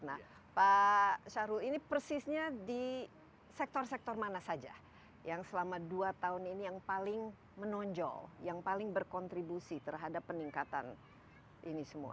nah pak syahrul ini persisnya di sektor sektor mana saja yang selama dua tahun ini yang paling menonjol yang paling berkontribusi terhadap peningkatan ini semua